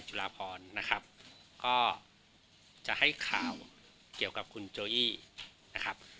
จุฬาพรนะครับก็จะให้ข่าวเกี่ยวกับคุณโจอี้นะครับ